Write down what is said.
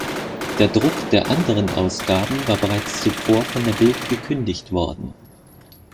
Der Druck der anderen Ausgaben war bereits zuvor von der Bild gekündigt worden.